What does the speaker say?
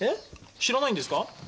知らないんですか？